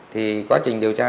thì quá trình điều tra